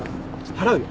払うよ。